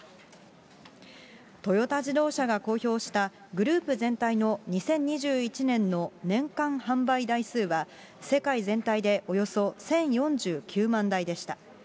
トヨタ自動車が公表したグループ全体の２０２１年の年間販売台数は、世界全体でおよそ１０４９万台でした。